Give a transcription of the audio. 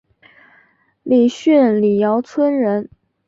李迅李姚村人。